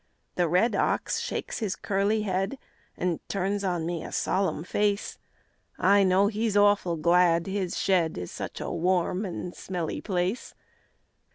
The red ox shakes his curly head, An' turns on me a solemn face; I know he's awful glad his shed Is such a warm and smelly place.